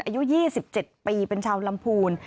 อายุ๒๗ปีเป็นชาวลำพูน